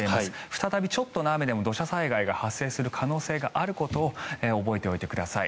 再びちょっとの雨でも土砂災害が発生する可能性があることを覚えておいてください。